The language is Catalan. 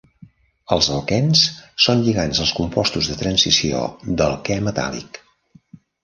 Els alquens són lligands als compostos de transició d"alquè metàl·lic.